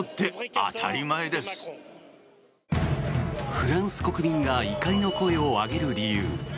フランス国民が怒りの声を上げる理由。